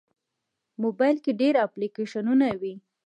موبایل کې ډېر اپلیکیشنونه وي.